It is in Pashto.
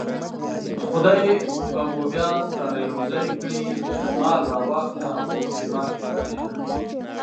خدای به مو بيا سره يو ځای کړي دسمال راواخله اوښکې پاکې کړه مينه